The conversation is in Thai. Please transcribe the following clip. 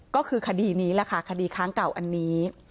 ก็คือคดีนี้แหละค่ะคดีค้างเก่าอันนี้